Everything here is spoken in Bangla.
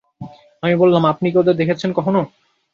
আমি বললাম, আপনি কি ওদের দেখেছেন কখনো?